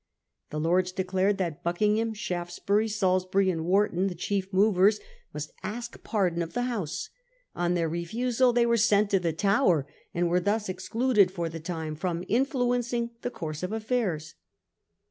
The Lords declared successes. that Buckingham, Shaftesbury, Salisbury, and Wharton, the chief movers, must ask pardon of the House. On their refusal they were sent to the Tower, and were thus excluded for the time from influencing the course of affairs.